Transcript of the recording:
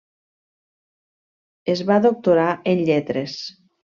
Es va doctorar en lletres.